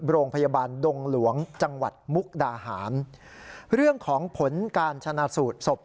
โรงพยาบาลดงหลวงจังหวัดมุกดาหารเรื่องของผลการชนะสูตรศพ